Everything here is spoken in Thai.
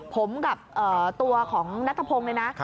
ผมกับตัวของนัทพงศ์เลยนะ